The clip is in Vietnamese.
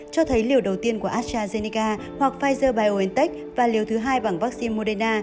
cho thấy liều đầu tiên của astrazeneca hoặc pfizer biontech và liều thứ hai bằng vaccine moderna